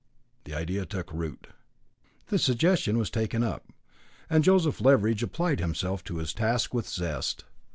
The idea took root. The suggestion was taken up, and Joseph Leveridge applied himself to his task with zest.